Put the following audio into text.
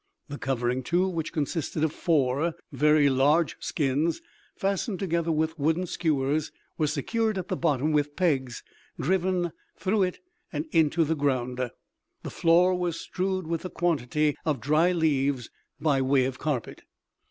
The covering, too, which consisted of four very large skins fastened together with wooden skewers, was secured at the bottom with pegs driven through it and into the ground. The floor was strewed with a quantity of dry leaves by way of carpet.